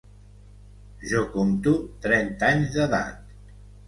Jo compto trenta anys d'edat.